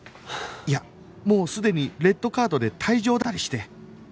いやもうすでにレッドカードで退場だったりして